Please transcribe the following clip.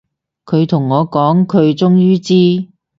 佢同我講，佢終於知